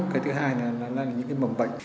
cái thứ hai là những mầm bệnh